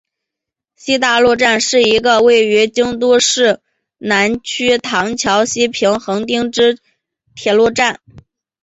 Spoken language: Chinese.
西大路站是一个位于京都市南区唐桥西平垣町之铁路车站。